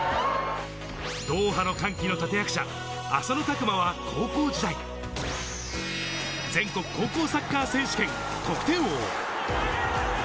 ドーハの歓喜の立て役者、浅野拓磨は高校時代、全国高校サッカー選手権得点王。